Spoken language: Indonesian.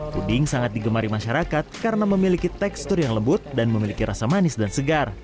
puding sangat digemari masyarakat karena memiliki tekstur yang lembut dan memiliki rasa manis dan segar